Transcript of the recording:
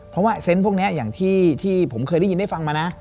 เพราะว่าเซนต์พวกนี้อย่างที่ผมเคยได้ยินได้ฟังมานะ